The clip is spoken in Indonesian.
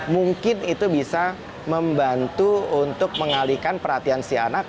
mungkin itu bisa membantu untuk mengalihkan perhatian si anak